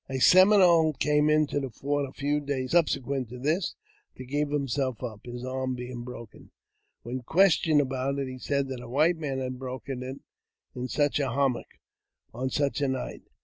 A Seminole came into the fort a few days subsequent to this, to give himself up, his arm being broken. When ques tioned about it, he said that a white man had broken it in such a hummock, on such a night.